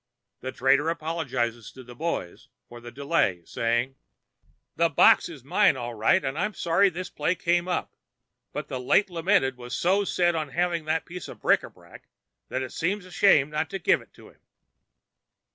The trader apologizes to the boys for the delay, saying: "'The box is mine, all right, and I'm sorry this play come up, but the late lamented was so set on having that piece of bric ý brac that it seemed a shame not to give it to him.'"